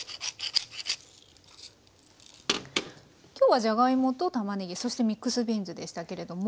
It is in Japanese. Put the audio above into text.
今日はじゃがいもとたまねぎそしてミックスビーンズでしたけれども。